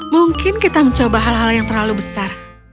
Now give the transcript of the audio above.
mungkin kita mencoba hal hal yang terlalu besar